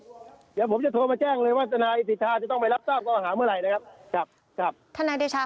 เดี๋ยวผมจะโทรมาแจ้งเลยว่าธนาศิษย์สิทธาจะต้องไปรับทราบข้ออาหารเมื่อไหร่นะครับ